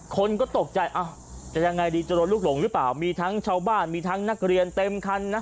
คนก็ตกใจอ้าวจะยังไงดีจะโดนลูกหลงหรือเปล่ามีทั้งชาวบ้านมีทั้งนักเรียนเต็มคันนะ